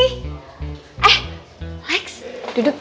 eh alex duduk